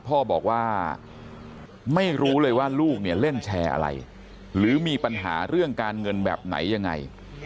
พ่อบอกว่าไม่รู้เลยว่าลูกเนี่ยเล่นแชร์อะไรหรือมีปัญหาเรื่องการเงินแบบไหนยังไง